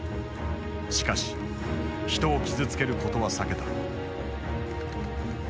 しかし人を傷つけることは避けた。